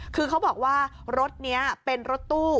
คือเขาบอกว่ารถนี้เป็นรถตู้